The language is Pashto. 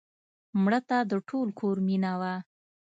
مړه د ټول کور مینه وه